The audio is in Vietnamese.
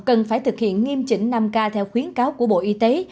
cần phải thực hiện nghiêm chỉnh năm k theo khuyến cáo của bộ y tế